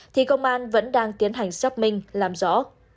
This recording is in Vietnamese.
thì công an vẫn đang tiến hành xác minh làm rõ